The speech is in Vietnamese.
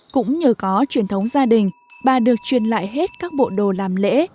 cũng nhờ có truyền thống gia đình bà được truyền lại hết các bộ đồ làm lễ